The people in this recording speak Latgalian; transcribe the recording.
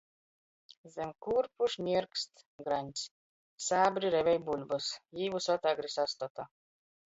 Zam kūrpu šnierkst graņts. Sābri revej buļbys, jī vysod agri sastota.